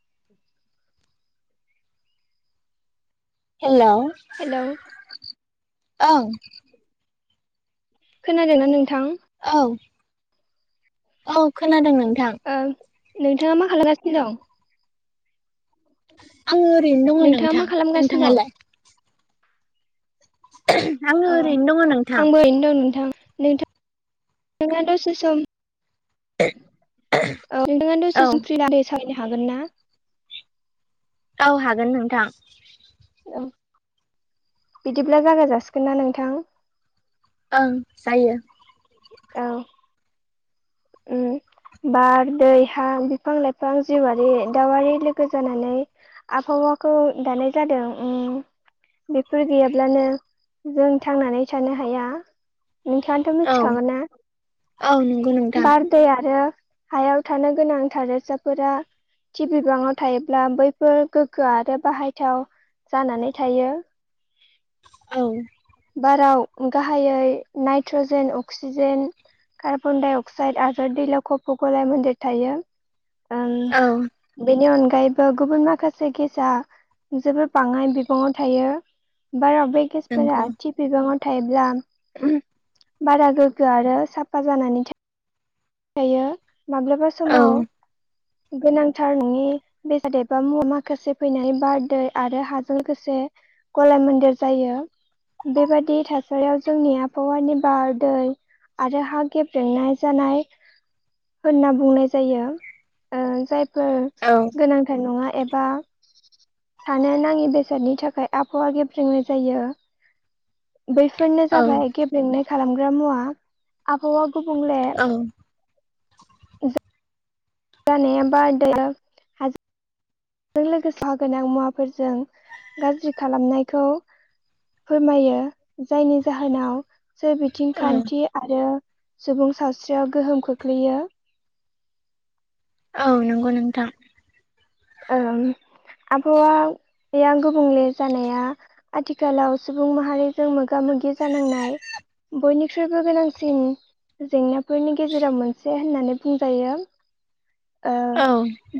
[inaudible] हेल' hello औ खोनादोंना नोंथां औ औ खोनादों नोंथां ओं नोंथाङा मा खालामगासिनो दं आङो ओरैनो दङ नोंथाङा मा नोंथां खालामगासिनो दं नोंथाङालाय [inaudible] अ ओरैनो दङ नोंथां आंबो ओरैनो दं नोंथां नोंथां नोंथाङा दसे सम [unintelligible] औ नोंथाङा औ दसे सफ फ्रि फ्रि बा सावरायनो हागोनना औ हागोन नोंथां औ बिदिब्ला जागा जासिगोनना नोंथां ओं जायो औ उम बार दै हा बिफां लाइफां जिउआरि दाउआरि लोगो जानानै आबहावाखौ दानाय जादों उम बेफोर गैयाब्लानो जों थांनानै थानो हाया नोंथां ङाथ औ मिथिखागौना औ नंगौ नोंथां दै आरो हायाव थानो गोनां थादेरसाफोरा थि बिबाङाव थायोब्ला बैफोर गोग्गो आरो बाहायथाव जानानै थायो औ ओं बाराव गाहायै नाइट्रजेन अक्सिजेन कार्बनडाइ अक्स अक्साइड आरो दैलाव खफ गलायमोनदेर थायो ओम औ बेनि अनगायैबो गुबुन माखासे गेसआ जोबोर बाङाय बिबङाव थायो बारा बेगेसफोरा नंगौ सिप बिबाङाव थायोब्ला बारा गोग्गो आरो साफा जानानै थायो दायो माब्लाबा औ समाव गोनांथार नङि बेसाद एबा मुवा माखासे फैनाय बार दै आरो हाजों लोगोसे गलाय मोन्देर जायो बेबादि थासारियाव जोंनि आबहावानि बार दै आरो हा गेब्रेंनाय जानाय होनना बुंनाय जायो ओ जायफोर औ गोनांथार नङा एबा थानो नाङि बेसादनि थाखाय आबहावा गेब्रेंनाय जायो बैफोरनो औ जाबाय गेब्रेंनाय खालामग्रा मुवा आबहावा गुबुंले औ जानाया बार दै आरो जों लोगोसे खहागोनां मुवाफोरजों गाज्रि खालामनायखौ फोरमायो जायनि जाहोनाव जे बि थिं औ खान्थि आरो सुबुं सावस्रियाव गोहोम खोख्लैयो औ नंगौ नोंथां ओं आबहावाया गुबुंले जानाया आथिखालाव सुबुं माहारिजों मोगा मोगि जानांनाय बयनिख्रुइबो गोनांसिन जेंनाफोरनि गेजेराव मोनसे होननानै बुंजायो ओ औ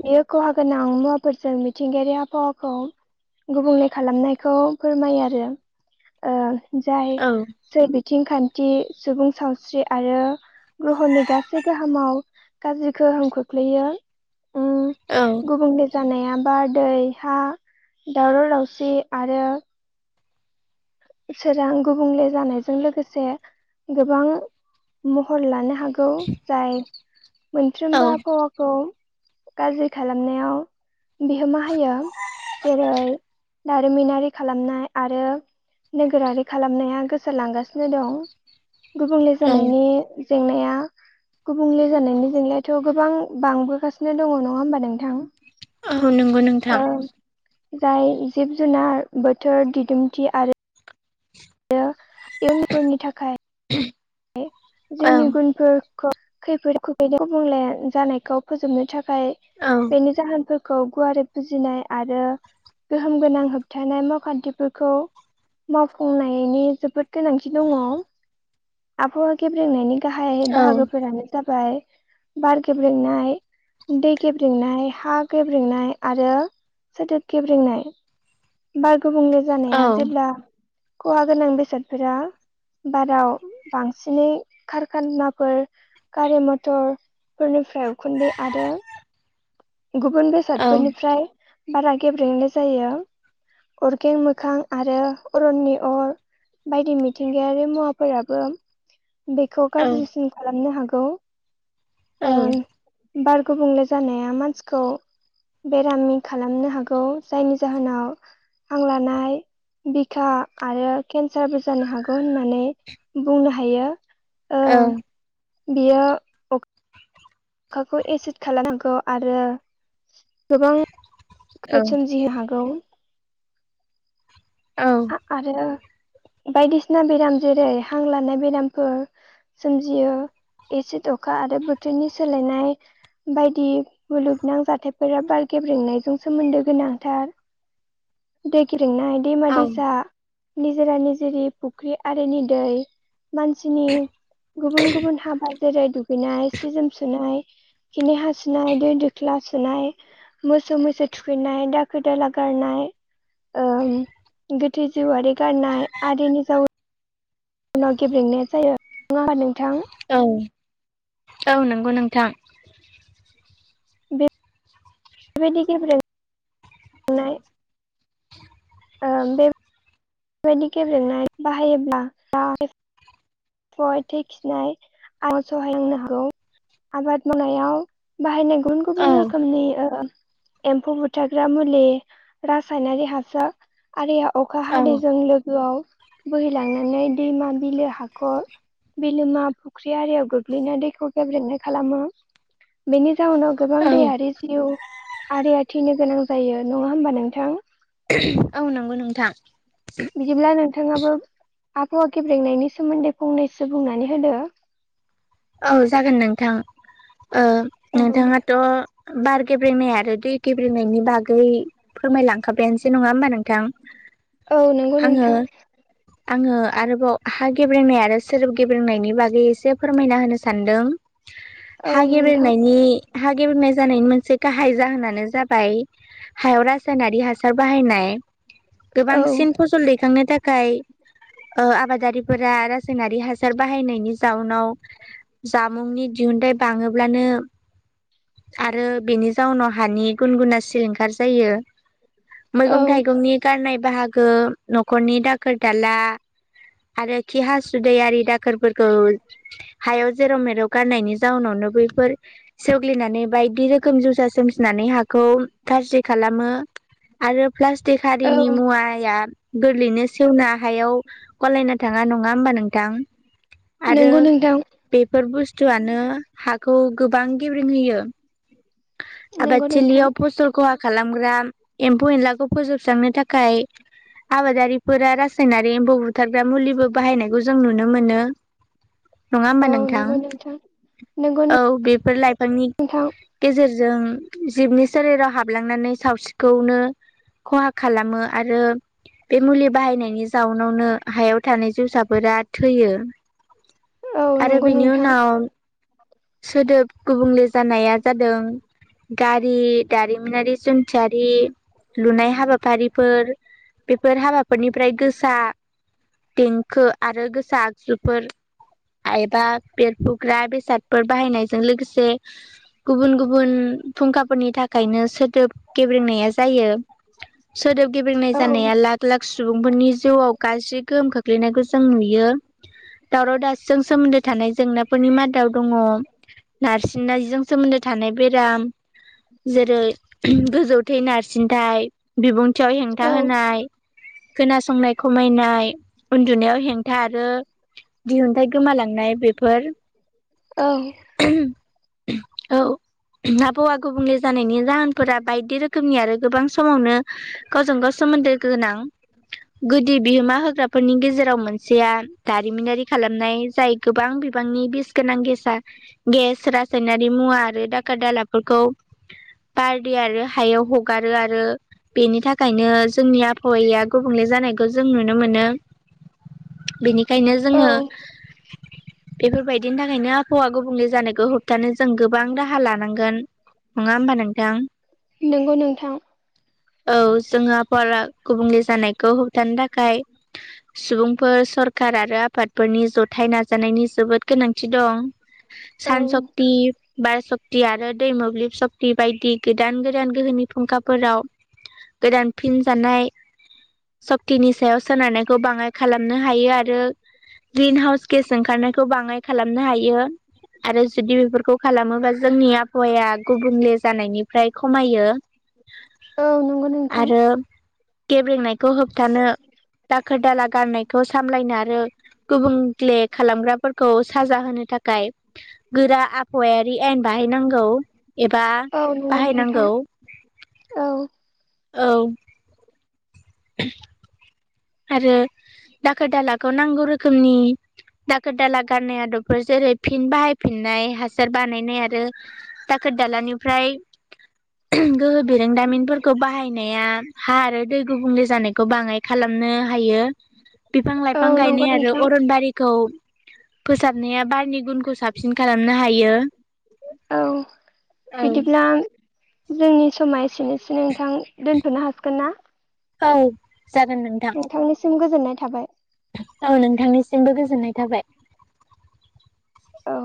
बेयो खहा गोनां मुवाफोरजों मिथिंगायारि आबहावाखौ गुबुंले खालामनायखौ फोरमायो आरो ओ जाय औ सोरबिथिं खान्थि सुबुं सावस्रि आरो ग्रहनि गासै गोहोमाव गाज्रि गोहोम खोख्लैयो उम औ गुबुंले जानाया बार दै हा दावराव दावसि आरो सोरां गुबुंले जानायजों लोगोसे गोबां महर लानो हा हागौ जाय मोनफ्रोमबो आबहावाखौ गाज्रि खालामनायाव बिहोमा होयो जेरै दारिमिनारि खालामनाय आरो नोगोरारि खालामनाया गोसारलांगासिनो दं गुबुंले औ जानायनि जेंनाया गुबुंले जानायनि जेंनायाथ' गोबां बांबोगासिनो दङ नङा होमबा नोंथां औ नंगौ ओ नोंथां जाय जिब जुनार बोथोर दिदोमथि आरो आरो इयुनफोरनि थाखाय [inaudible] जिउनि ओं गुनफोरखौ खैफोदाव खोख्लैदों गुबुंले जानायखौ फोजोबनो थाखाय औ बेनि जाहोनफोरखौ गुवारै फुजिनाय आरो गोहोम गोनां होबथानाय मावखान्थिफोरखौ मावफुंनायनि जोबोद गोनांथि दङ आबहावा गेब्रेंनायनि गाहाय औ बाहागोफोरानो जाबाय बार गेब्रेंनाय दै गेब्रेंनाय हा गेब्रेंनाय आरो सोदोब गेब्रेंनाय बार गुबुंले औ जानाया जेब्ला खहा गोनां बेसादफोरा बाराव बांसिनै कारखानाफोर गारि मथर फोरनिफ्राय उखुन्दै आरो गुबुन बेसादफोरनिफ्राय बारा गेब्रेंनाय जायो अरगें मोखां आरो अरननि अर बायदि मिथिंगायारि मुवाफोराबो बेखौ औ गाज्रिसिन खालामनो हागौ औ ओ बार गुबुंले जानाया मानसिखौ बेरामि खालामनो हागौ जायनि जाहोनाव हां लानाय बिखा आरो केन्सारबो जानो हागौ होननानै बुंनो हायो औ बियो अखाखौ एसिद खालामनो हागौ आरो गोबां बेफोर सोमजिनो हागौ औ आरो बायदिसिना बेराम जेरै हां लानाय बेरामफोर सोमजियो एसिद अखा आरो बोथोरनि सोलायनाय बायदि मुलुगनां जाथायफोरा बार गेब्रेंनायजों सोमोन्दो गोनांथार दै गेब्रेंनाय दैमा औ दै सा निजोरा निजिरि आरो फुख्रि आरिनि दै मानसिनि गुबुन गुबुन हाबा जेरै दुगैनाय सि जोम सुनाय खिनाय हासुनाय दो दोखला नाय मोसौ मैसो थुखैनाय दाखोर दाला गारनाय गोथै जिउआरि गारनाय आरिनि जाव उनाव गेब्रेंनाया जायो नङा होमबा नोंथां औ औ नंगौ नोंथां बे बेबायदि गेब्रें ओ बे बेबायदि गेब्रेंनाय बाहायोब्ला हाय थै खिनाय आं सहाय होननो हागौ आबाद मावनायाव बाहायनाय गुबुन औ गुबुन रोखोमनि एम्फौ बुथारग्रा मुलि रासायनारि हासार आरआ अखा औ हादैजों लोगोआव बोहैलांनानै दैमा बिलो बिलोमा फुख्रि आरियाव गोग्लैना दैखौ गेब्लेनाय खालामो बेनि जाउनाव गोबां औ दैायारि जिउ आरिया थैनो गोनां जायो नङा होमबा नोंथां। औ नंगौ नोंथां। बिदिब्ला नोंथाङाबो आबहाव आखेब्रेंनायनि सोमोन्दै फंनैसो बुंनानै होदो। औ जागोन नोंथां औ दे नोंथाङाथ' बार गेब्रेनाय आरो दै गेब्रेनायनि बागै फोरमायलांखाबायानोसै नङा होमबा नोंथां औ नंगौ आङो नोंथां आङो आरोबाव हा गेब्रेनाय आरो सोब गेब्रेंनायनि बागै एसे फो फोरमायना होनो सानदों औ हा नोंथां गेब्रेनायनि हागेबेनाय जानायनि मोनसे गाहाय जाहोनानो जाबाय हायाव रासायनारि हासार बाहायनाय औ गोबांसिन फसल दैखांनो थाखाय आबादारिफोरा रासायनारि हासार बाहायनायनि जाउनाव जामुंनि दिहुनथाइ बाङोब्लानो आरो बेनि जाउनाव हानि गुन गुना सिलिंखार जायो। औ मैगं थाइगंनि गारनाय बाहागो न'खरनि दाखोर दाला आरो खिहाासुदैारि दाखोरफोरखौ हायाव जेराव मेराव गारनायनि जााहनावनो बैफोर सेवग्लिनानै बायदि रोखोम जोसा सोमजिनानै हाखौ फार्रिं खालामो। आरो प्लास्टिक औ आरारिनि मुवाया गोरलैनो सेवना हायाव गलायना थाङा नङा होमबा नोंथां? आरो नंगौ नोंथां बेफोर बुस्थुआनो हाखौ गोबां गेब्रेेंहोयो। नंगौ नोंथां आबादथिलियाव फसल खहा खालामग्रा एम्फौ एनलाखौ फोजोबस्रांनो थाखाय आबादारिफोरा रासायनारि एम्फौ बुथारग्रा मुलिबो बाहायनायखौ जों नुनो मोनो। नङा होमबा औ नोंथां नंगौ नंगौ औ बेफोर लाइफांनि नोंथां गेजेरजों जिबनि सोलेराव हाबलांनानै सावस्रिखौनो खहा खालामो आरो बे मुलि बाहायनायनि जाउनावनो हायाव थानाय जोसाफोरा थैयो। औ आरो नंगौ बेनि नोंथां उनाव सोदोब गुबुंले जानाया जादों गारि दारिमिनारि जन्थियारि लुनाय हाबाफारिफोर बे फोर हाबाफोरनिफ्राय गोसा देंखो आरो गोसा आगजुफोर एबा बेरफुग्रा बेसादफोर बाहायनायजों लोगोसे गुबुन गुबुन फुंखाफोरनि थाखायनो सोदोब गेब्रेंनाया जायो। सोदोब गेबेंनाय औ जानाया लाख लाख लाख सुबुंफोरनि जिउआव गाज्रि गोहोम खोख्लैनायखौ जों नुयो। दावराव दावसिजों सोमोन्दो थानाय जेंनाफोरनि मादाव दङ नारसिननायजों सोमोन्दो थानाय बेराम जेरै गोजौथै नारसिनथाय बिबुंथियाव हेंथा औ होनाय खोनासंनाय खमायनाय उन्दुनायाव हें थ आरो दिहुनथाइ गोमालांनाय बेफोर औ। औ आबौआ गुबुंनो जानायनि जाहोनफोरा बायदि रोखोमनि आरो गोबां समावनो गावजों गाव सोमोन्दो गोनां गुदि बिहोमा होग्राफोरनि गेजेराव मोनसेया दारिमिनारि खालामनाय जाय गोबां बिबांनि बिस गोनां गेसा गेस रा ासायनारि मुवा आरो दाखा दालाफोरखौ बार दे आरो हायाव हगारो आरो बेनि थाखायनो जोंनि आबहावाया गुबुंले जानायखौ जों नुनो मोनो। बेनिखायनो औ जोङो बेफोरबायदिनि थाखायनो आबहावा गुबुंले जानायखौ होब दानो जों गोबां राहा लानांगोन नङा होमबा नोंथां? नोंगौ नोंथां औ जोङोबारा गुबुंले जानायखौ दानि थाखाय सुबुंफोर सरखार आरो आफादफोरनि जथायाइ नाजानायनि जोबोद गोनांथि दं औ सान सक्ति बार सक्ति आरो दै मोब्लिब सक्ति बायदि गोदान गोदान गोहोनि फुंखाफोराव गोदान फिन जानाय सक्तिनि सायाव सोनारनायखौ बाङाय खालामनो हायो आरो ग्रिन हाउस गेस ओंखारनायखौ बाङाय खालामनो हायो आरो जुदि बेफोरखौ खालामोबा जोंनि आबहावाया गुबुंले जानायनिफ्राय खमायो। औ नंगौ नोंथां। गेब्लेंनायखौ होबथानो दाखोर दाला गारनायखौ सामलायनो आरो गुबुंलले खालामग्राफोरखौ साजा होनो थाखाय गोरा आबहावायारि आयेन बाहायनांगौ। एबा औ नंगौ नोंथां बाहायनांगौ औ औ [inaudible] आरो दाखोर दालाखौ नांगौ रोखोमनि दाखोर दाला गाननाय आदबफोर जेरै फिन बाहायफिननाय हासार बानायनाय आरो दाखोर दालानिफ्राय गोहो बिरोंदामिनफोरखौ बाहायनाया हा आरो दै गुबुंल जानायखौ बाङ खालामनो हायो बिफां औ लाइफां नंगौ गायनाय आरो नोंथां अरन बारिखौ फोसाबनाया बारिनि गुनखौ साबसिन खालामनो हायो। औ औ बिदिब्ला जोंनि समा एसेनोसै नोंथां दोनथ'नो हासिगोन ना? औ जागोन नोंथांनिसिम गोजोननाय थाबाय। औ नोंथांनिसिमबो गोजोननाय थाबाय। औ